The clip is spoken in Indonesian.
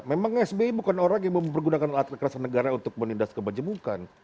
memang sby bukan orang yang mempergunakan alat kekerasan negara untuk menindas kebajemukan